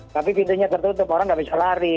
tapi pintunya tertutup orang nggak bisa lari